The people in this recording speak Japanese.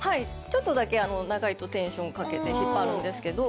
ちょっとだけ長いとテンションかけて引っ張るんですけど。